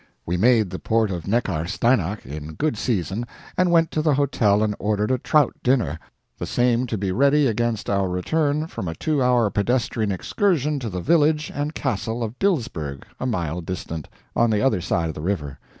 We made the port of Necharsteinach in good season, and went to the hotel and ordered a trout dinner, the same to be ready against our return from a two hour pedestrian excursion to the village and castle of Dilsberg, a mile distant, on the other side of the river.